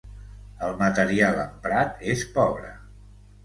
El material emprat és pobre.